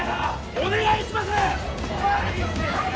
お願いします！